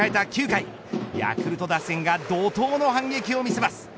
９回ヤクルト打線が怒とうの反撃を見せます。